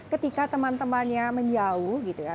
ketika temen temennya menjauh gitu ya